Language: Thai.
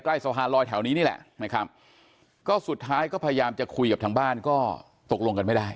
สะพานลอยแถวนี้นี่แหละนะครับก็สุดท้ายก็พยายามจะคุยกับทางบ้านก็ตกลงกันไม่ได้